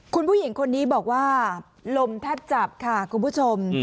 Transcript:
คุณผู้หญิงคนนี้บอกว่าลมแทบจับค่ะคุณผู้ชม